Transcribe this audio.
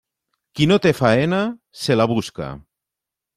Qui no té faena, se la busca.